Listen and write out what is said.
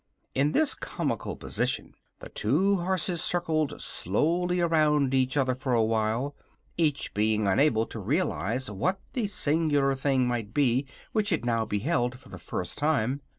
In this comical position the two horses circled slowly around each other for a while, each being unable to realize what the singular thing might be which it now beheld for the first time.